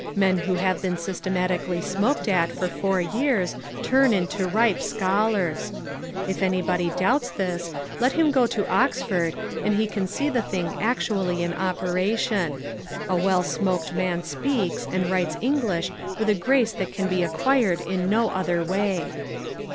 Men who have been systematically smoked at for four years turn into ripe scholars. If anybody doubts this, let him go to Oxford and he can see the thing actually in operation. A well smoked man speaks, and writes English with a grace that can be acquired in no other way.